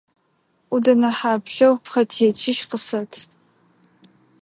Ӏудэнэ хьаплъэу пхъэтетищ къысэт.